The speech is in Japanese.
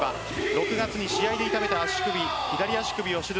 ６月に試合で痛めた左足首を手術。